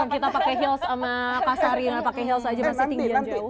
kita pakai heels sama pasarinan pakai heels aja masih tinggi